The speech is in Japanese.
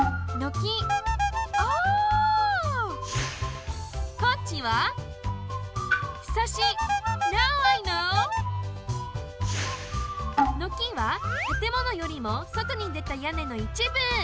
軒はたてものよりもそとにでたやねのいちぶ。